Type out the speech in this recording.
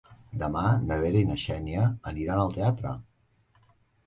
Demà na Vera i na Xènia aniran al teatre.